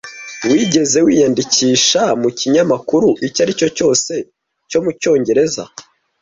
Wigeze wiyandikisha mu kinyamakuru icyo ari cyo cyose cyo mu Cyongereza?